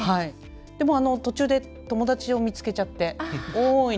途中で、友達を見つけちゃっておーい！